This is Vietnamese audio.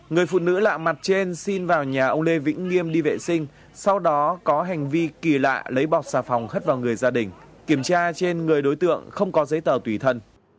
người phụ nữ lạ mặt trên xin vào nhà ông lê vĩnh nghiêm đi vệ sinh sau đó có hành vi kỳ lạ lấy bọc xà phòng hất vào người gia đình kiểm tra trên người đối tượng không có giấy tờ tùy thân